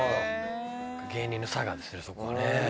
芸人のさがですね、そこはね。